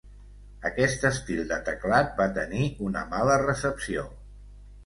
Aquest estil de teclat va tenir una mala recepció.